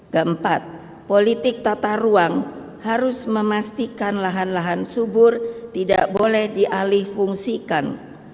keempat politik tata ruang harus memastikan lahan lahan subur tidak boleh dialih fungsikan